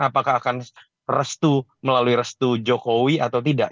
apakah akan restu melalui restu jokowi atau tidak